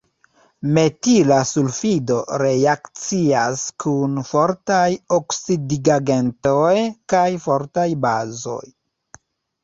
Metila sulfido reakcias kun fortaj oksidigagentoj kaj fortaj bazoj.